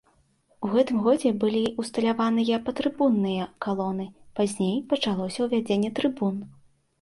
У гэтым годзе былі ўсталяваныя падтрыбунныя калоны, пазней пачалося ўзвядзенне трыбун.